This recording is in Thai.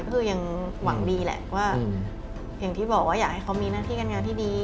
ก็คือยังหวังดีแหละว่าอย่างที่บอกว่าอยากให้เขามีหน้าที่การงานที่ดี